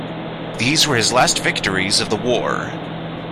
These were his last victories of the war.